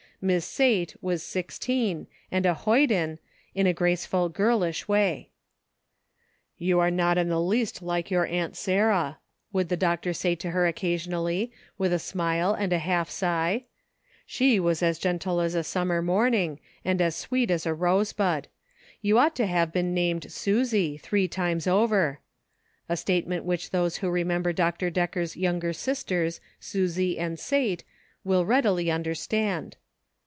Miss Sate was six teen, and a hoyden, in a graceful, girlish way. " You are not in the least like your Aunt Sarah," would the Doctor say to her occasionally, with a smile and a half sigh ;" she was as gentle as a summer morning, and as sweet as a rosebud ; you ought to have been named ' Susie ' three times over" — a statement which those who remember Dr. Decker's younger sisters, Susie and Sate, will readily understand.